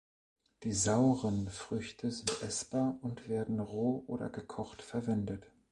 Die sauren Früchte sind essbar und werden roh oder gekocht verwendet.